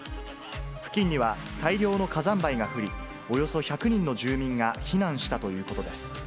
付近には大量の火山灰が降り、およそ１００人の住民が避難したということです。